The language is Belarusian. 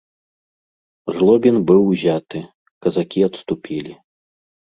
Жлобін быў узяты, казакі адступілі.